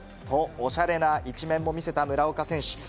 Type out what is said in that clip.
とおしゃれな一面も見せた村岡選手。